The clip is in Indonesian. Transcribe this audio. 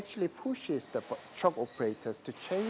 itu benar benar memusnahkan operasi kendaraan